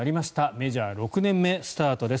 メジャー６年目スタートです。